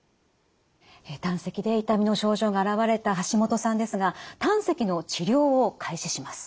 胆石で痛みの症状が現れたハシモトさんですが胆石の治療を開始します。